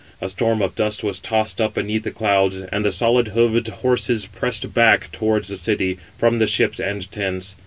A storm [of dust] was tossed up beneath the clouds, and the solid hoofed horses pressed back towards the city, from the ships and tents.